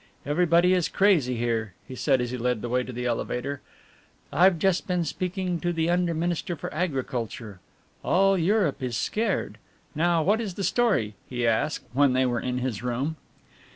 Everybody is crazy here," he said, as he led the way to the elevator, "I've just been speaking to the Under Minister for Agriculture all Europe is scared. Now what is the story?" he asked, when they were in his room.